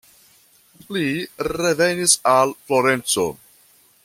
Li revenis al Florenco.